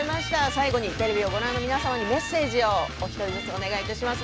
最後にテレビをご覧の皆様にメッセージをお一人ずつお願いいたします。